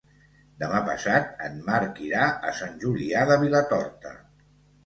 Demà passat en Marc irà a Sant Julià de Vilatorta.